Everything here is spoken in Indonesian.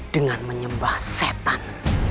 dengan menyembah setan